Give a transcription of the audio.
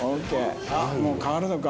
あっもう変わるのか。